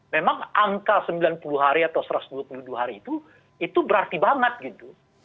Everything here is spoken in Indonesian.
memang angka sembilan puluh hari atau satu ratus dua puluh dua hari itu itu berarti banget gitu